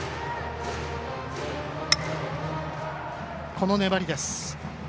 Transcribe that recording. この粘りです。